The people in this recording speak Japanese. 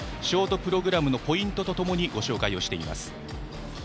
ショートプログラムのポイントとともにご紹介しています。